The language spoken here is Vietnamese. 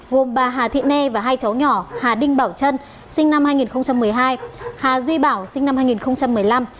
gồm bà hà thị ne và hai cháu nhỏ hà đinh bảo trân sinh năm hai nghìn một mươi hai hà duy bảo sinh năm hai nghìn một mươi năm